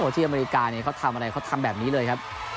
ที่อเมริกาเนี่ยเขาทำอะไรเขาทำแบบนี้เลยครับ